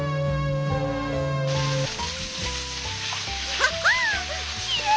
ハハッきれい！